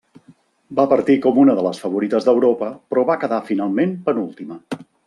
Va partir com una de les favorites d'Europa, però va quedar finalment penúltima.